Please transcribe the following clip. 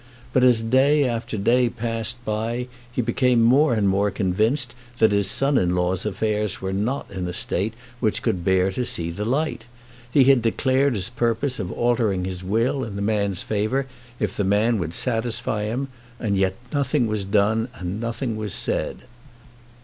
But as day after day passed by he became more and more convinced that his son in law's affairs were not in a state which could bear to see the light. He had declared his purpose of altering his will in the man's favour, if the man would satisfy him. And yet nothing was done and nothing was said.